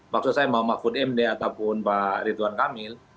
maksud saya mau mahfud md ataupun pak ridwan kamil